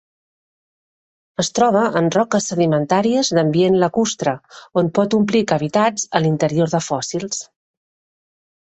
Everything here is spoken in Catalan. Es troba en roques sedimentàries d'ambient lacustre, on pot omplir cavitats a l'interior de fòssils.